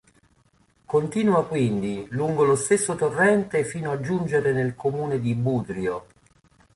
Continua quindi lungo lo stesso torrente fino a giungere nel comune di Budrio.